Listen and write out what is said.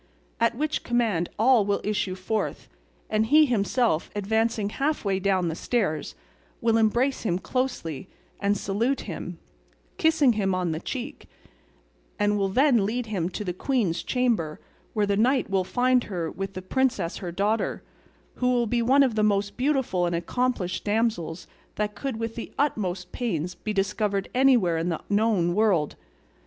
At which command all will issue forth, and he himself, advancing half way down the stairs, will embrace him closely, and salute him, kissing him on the cheek, and will then lead him to the queen's chamber, where the knight will find her with the princess her daughter, who will be one of the most beautiful and accomplished damsels that could with the utmost pains be discovered anywhere in the known world.